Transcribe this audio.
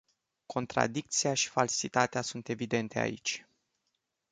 Contradicția și falsitatea sunt evidente aici.